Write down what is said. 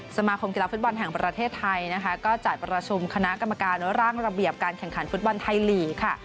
สมาคมกีฬาฟุตบอลแห่งประเทศไทยนะคะก็จัดประชุมคณะกรรมการร่างระเบียบการแข่งขันฟุตบอลไทยลีกค่ะ